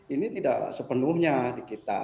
ini tidak sepenuhnya di kita